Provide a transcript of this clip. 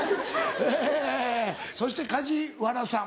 えそして梶原さん。